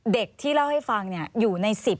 เด็กที่เล่าให้ฟังอยู่ใน๑๐